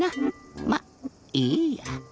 まっいいや。